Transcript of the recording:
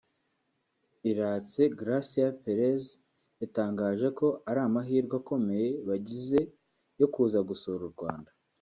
Iratxe Garacia Perez yatangaje ko ari amahirwe akomeye bagize yo kuza gusura u Rwanda